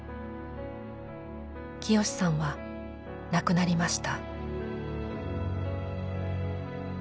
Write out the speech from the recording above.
潔さんは亡くなりました。